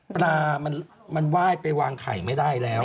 ปลามันไหว้ไปวางไข่ไม่ได้แล้ว